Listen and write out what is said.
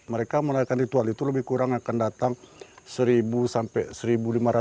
mereka merayakan ritual itu lebih kurang akan datang seribu sampai seribu lima ratus